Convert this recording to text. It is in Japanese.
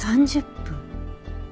３０分。